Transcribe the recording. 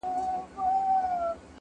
هغه ځان بدل کړی دی ډېر,